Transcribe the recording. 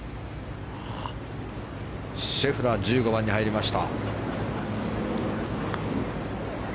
シェフラー１５番に入りました。